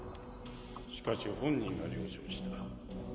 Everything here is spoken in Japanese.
しかし本人が了承した。